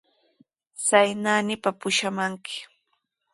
Chay naanipa pushamanki.